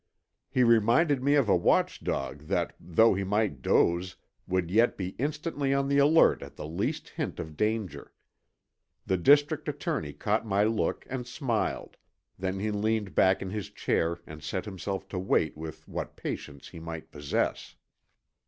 He reminded me of a watchdog that though he might doze would yet be instantly on the alert at the least hint of danger. The District Attorney caught my look and smiled, then he leaned back in his chair and set himself to wait with what patience he might possess.